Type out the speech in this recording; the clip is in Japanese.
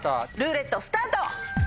ルーレットスタート！